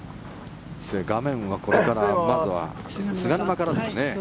画面はこれからまずは菅沼からですね。